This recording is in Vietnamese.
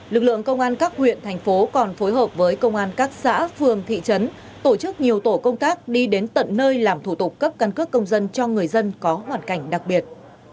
lực lượng công an các huyện thành phố còn phối hợp với công an các xã phường thị trấn tổ chức nhiều tổ công tác đi đến tận nơi làm thủ tục cấp căn cước công dân cho người dân có hoàn cảnh đặc biệt